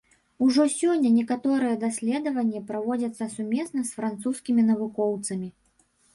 Ужо сёння некаторыя даследаванні праводзяцца сумесна з французскімі навукоўцамі.